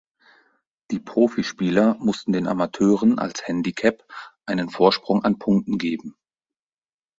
Die Profispieler mussten den Amateuren als Handicap einen Vorsprung an Punkten geben.